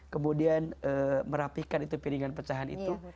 kemudian merapikan itu piringan pecahan itu